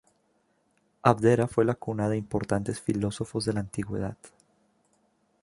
Abdera fue la cuna de importantes filósofos de la Antigüedad.